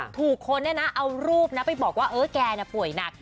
ถูกคนเนี่ยนะเอารูปนะไปบอกว่าเออแกน่ะป่วยหนัก